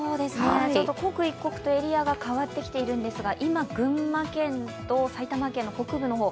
刻一刻とエリアが変わってきているんですが今、群馬県と埼玉県の北部の方